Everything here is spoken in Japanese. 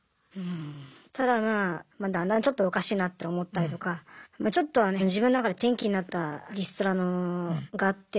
ただまあだんだんちょっとおかしいなって思ったりとかちょっと自分の中で転機になったリストラがあって。